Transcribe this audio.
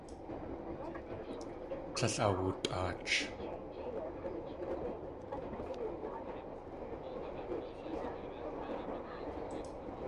Tlél awutʼaach.